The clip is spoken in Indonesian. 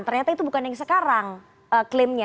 ternyata itu bukan yang sekarang klaimnya